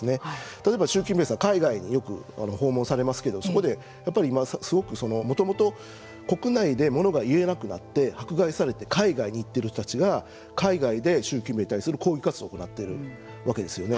例えば習近平さん海外によく訪問されますけどそこで、やっぱり今すごく、もともと国内でものが言えなくなって迫害されて海外に行っている人たちが海外で習近平に対する抗議活動を行っているわけですよね。